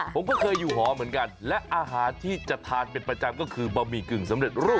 ผมก็เคยอยู่หอเหมือนกันและอาหารที่จะทานเป็นประจำก็คือบะหมี่กึ่งสำเร็จรูป